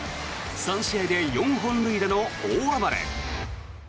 ３試合で４本塁打の大暴れ。